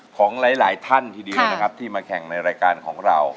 ของหลายท่านทีเดียวนะครับที่มาแข่งในรายการของเรา